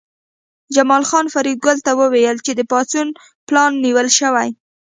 جمال خان فریدګل ته وویل چې د پاڅون پلان نیول شوی